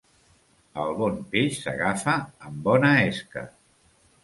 El bon peix s'agafa amb bona esca.